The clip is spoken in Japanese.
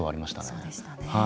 そうでしたね。